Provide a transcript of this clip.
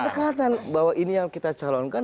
kedekatan bahwa ini yang kita calonkan